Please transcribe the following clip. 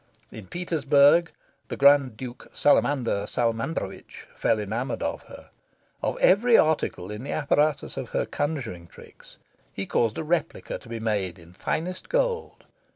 In Petersburg, the Grand Duke Salamander Salamandrovitch fell enamoured of her. Of every article in the apparatus of her conjuring tricks he caused a replica to be made in finest gold.